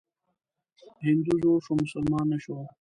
هندو زوړ شو مسلمان نه شو.